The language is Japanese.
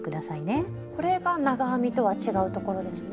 これが長編みとは違うところですね。